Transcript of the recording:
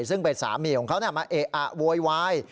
ซึ่งเป็นสามีของเขามาเอะอะโวยวาย